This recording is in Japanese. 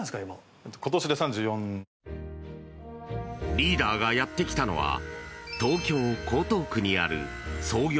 リーダーがやってきたのは東京・江東区にある創業